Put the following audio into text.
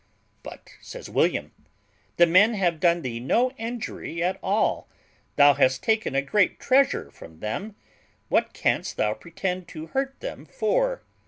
"But," says William, "the men have done thee no injury at all; thou hast taken a great treasure from them; what canst thou pretend to hurt them for?"